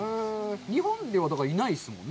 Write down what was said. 日本では、いないですよね。